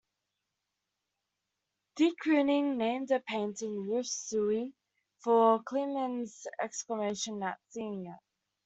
De Kooning named a painting, "Ruth's Zowie," for Kligman's exclamation at seeing it.